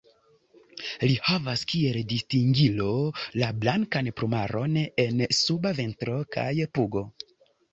Li havas kiel distingilo la blankan plumaron en suba ventro kaj pugo.